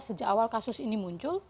sejak awal kasus ini muncul